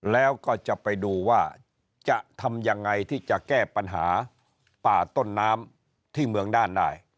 แล้วก็จะไปดูว่าจะทำยังไงที่จะแก้ปัญหาป่าต้นน้ำที่เมืองน่านได้